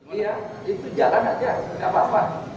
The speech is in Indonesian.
oh iya itu jalan aja tidak apa apa